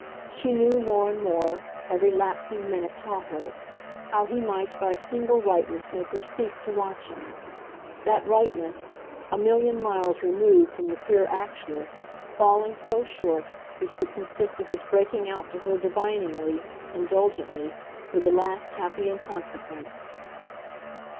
She knew more and more every lapsing minute taught her how he might by a single rightness make her cease to watch him; that rightness, a million miles removed from the queer actual, falling so short, which would consist of his breaking out to her diviningly, indulgently, with the last happy inconsequence.